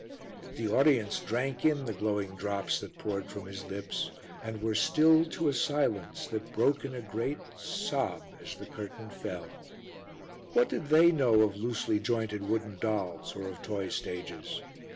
The audience drank in the glowing drops that poured from his lips, and were stilled to a silence that broke in a great sob as the curtain fell. What did they know of loosely jointed wooden dolls or of toy stages?